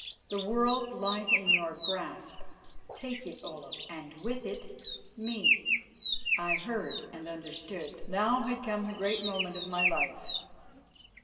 The world lies in your grasp; take it, Olaf, and, with it, me." I heard and understood. Now had come the great moment of my life.